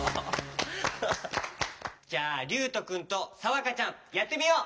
じゃありゅうとくんとさわかちゃんやってみよう！